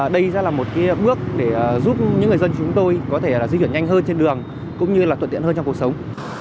đây ra là một cái bước để giúp những người dân chúng tôi có thể là di chuyển nhanh hơn trên đường cũng như là tuyệt tiện hơn trong cuộc sống